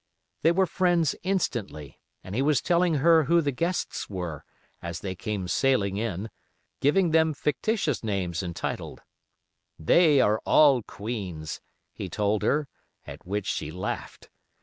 They were friends instantly, and he was telling her who the guests were, as they came sailing in, giving them fictitious names and titles. "They are all queens," he told her, at which she laughed.